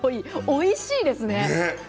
おいしいですね。